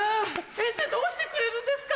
先生どうしてくれるんですか！